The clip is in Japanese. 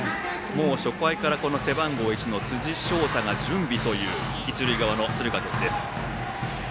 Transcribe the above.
初回から背番号１の辻晶太が準備という一塁側の敦賀気比です。